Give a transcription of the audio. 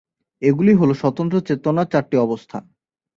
এগুলি হল স্বতন্ত্র চেতনার চারটি অবস্থা।